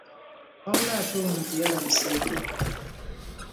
Wabula ate ono teyalabiseeko.